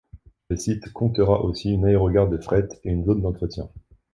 Le site comptera aussi une aérogare de fret et une zone d’entretien.